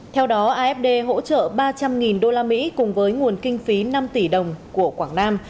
theo đó afd hỗ trợ ba trăm linh usd cùng với nguồn kinh phí năm tỷ đồng của quảng nam